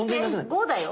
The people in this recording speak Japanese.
５だよ！